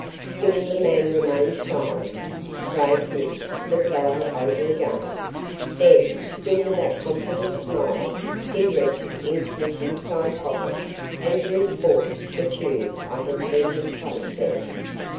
Still the man remained silent. Craig looked the fellow over again. Then, still with that confident smile, he reached into his inside pocket and drew forth the tube I had seen him place there.